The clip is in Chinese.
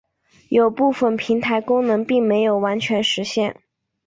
有部分平台功能并没有完全实现。